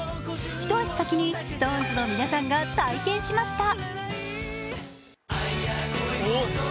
一足先にＳｉｘＴＯＮＥＳの皆さんが体験しました。